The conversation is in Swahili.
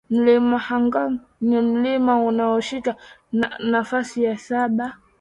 Mlima Hanang ni mlima unaoshika nafasi ya saba